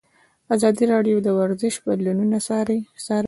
ازادي راډیو د ورزش بدلونونه څارلي.